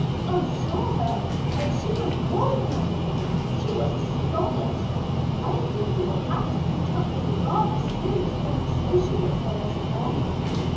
"I saw her, and she was more than angry she was astonished. I think you will have to put up with a rather serious conversation with her this morning.